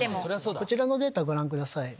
こちらのデータご覧ください。